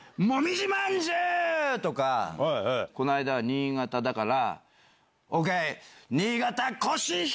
この間は新潟だから。